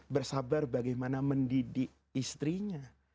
bersabar bagaimana mendidik istrinya